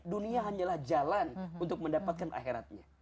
dunia hanyalah jalan untuk mendapatkan akhiratnya